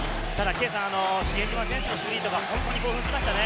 比江島選手のスリーとか興奮しましたね。